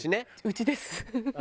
うちです